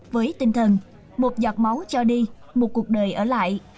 với tinh thần một giọt máu cho đi một cuộc đời ở lại